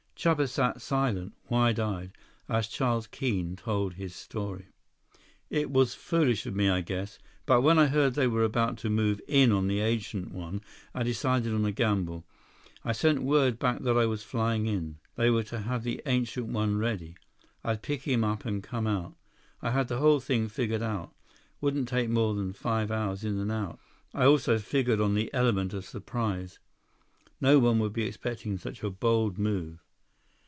Chuba sat silent, wide eyed, as Charles Keene told his story. "It was foolish of me, I guess. But when I heard they were about to move in on the Ancient One, I decided on a gamble. I sent word back that I was flying in. They were to have the Ancient One ready. I'd pick him up and come out. I had the whole thing figured out. Wouldn't take more than five hours in and out. I also figured on the element of surprise. No one would be expecting such a bold move."